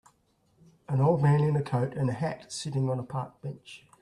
An old man in a coat and hat sitting on a park bench.